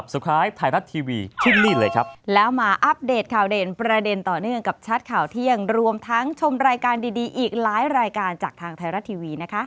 ประเด็นต่อเนื่องกับชาร์จข่าวเที่ยงรวมทั้งชมรายการดีอีกหลายรายการจากทางไทยรัฐทีวีนะคะ